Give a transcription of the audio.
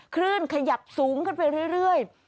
คลื่นขยับสูงขึ้นไปเรื่อย